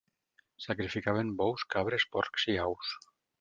Sacrificaven bous, cabres, porcs i aus.